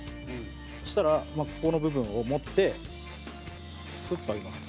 そしたら、ここの部分を持ってスッと上げます。